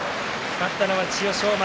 勝ったのは千代翔馬。